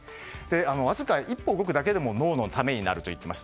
わずか１歩動くだけでも脳のためになるといいます。